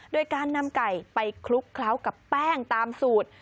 โดยการนำไก่ไปคลุกเคล้ากับแป้งตามสูตร